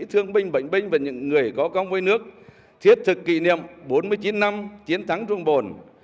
thương binh bệnh binh và những người có công với nước thiết thực kỷ niệm bốn mươi chín năm chiến thắng trung bồn